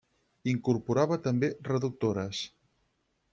Incorporava també reductores.